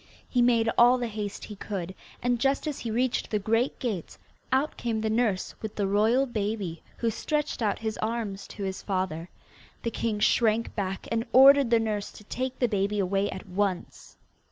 He made all the haste he could, and just as he reached the great gates out came the nurse with the royal baby, who stretched out his arms to his father. The king shrank back, and ordered the nurse to take the baby away at once.